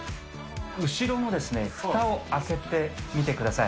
後ろのふたを開けてみてください。